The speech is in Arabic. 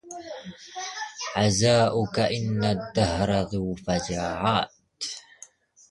عزاؤك أن الدهر ذو فجعات